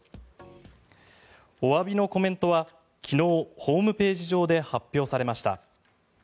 おわびのコメントは昨日、ホームページ上で発表されました。